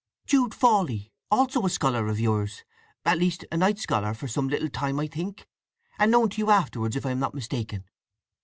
"Jude Fawley—also a scholar of yours—at least a night scholar—for some little time, I think? And known to you afterwards, if I am not mistaken."